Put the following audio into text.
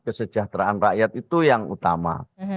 kesejahteraan rakyat itu yang utama